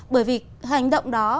bởi vì hành động đó